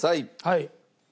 はい。